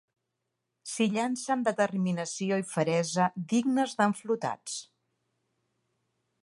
S'hi llança amb determinació i feresa dignes d'en Flotats.